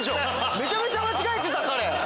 めちゃめちゃ間違えてた彼。